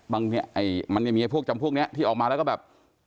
แต่มันยังมีพวกนี้ที่ออกมาแล้วก็แบบ